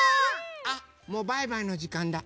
あっもうバイバイのじかんだ。